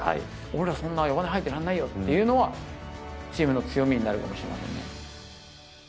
俺らそんな弱音吐いてらんないよというのは、チームの強みになるかもしれませんね。